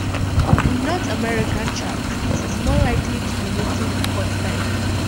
In North American charts it is more likely to be written in cut-time.